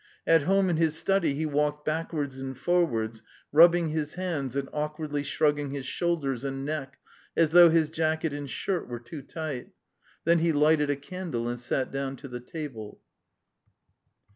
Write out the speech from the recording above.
At home in his study he walked backwards and forwards, rubbing his hands, and awkwardly shrugging his shoulders and neck, as though his jacket and shirt were too tight; then he lighted a candle and sat down to the table.